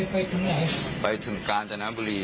ไปถึงไหนไปถึงกาญจนบุรี